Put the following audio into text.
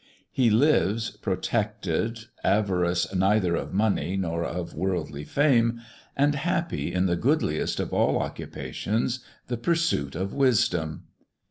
He lives protected, avaricious neither of Money nor of Worldly Fame, and happy in the goodliest of all Occupations, ŌĆö the pursuit of Wisdom.